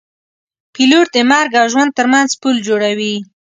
پیلوټ د مرګ او ژوند ترمنځ پل جوړوي.